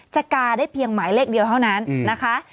กาได้เพียงหมายเลขเดียวเท่านั้นนะคะ